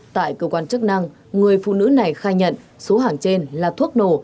tại cơ quan chức năng người phụ nữ này khai nhận số hàng trên là thuốc nổ